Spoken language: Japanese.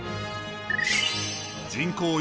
人口